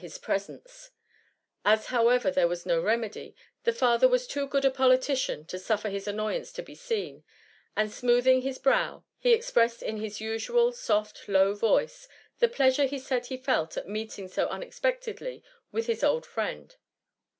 his presence: as, however, there was no remedy, the father was too good a politician to suffer his annoyance to be seen, and smoothing his brow, he expressed in his usual soft, low voice, the pleasure he said he felt at meeting so unex pectedly with his old friend.